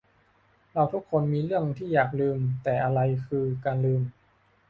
เราทุกคนมีเรื่องที่อยากลืม แต่อะไรคือ 'การลืม' ?